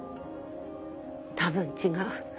多分違う。